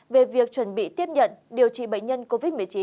về việc chuẩn bị tiếp nhận điều trị bệnh nhân covid một mươi chín